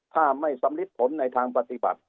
ถ้าไม่สำลิดผลในทางปฏิบัติ